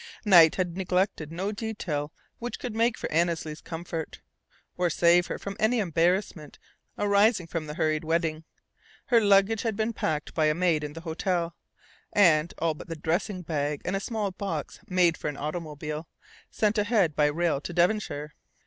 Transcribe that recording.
Knight had neglected no detail which could make for Annesley's comfort, or save her from any embarrassment arising from the hurried wedding. Her luggage had been packed by a maid in the hotel, and all but the dressing bag and a small box made for an automobile sent ahead by rail to Devonshire.